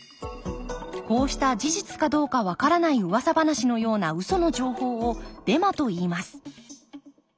こうした事実かどうかわからないうわさ話のようなウソの情報をデマといいます。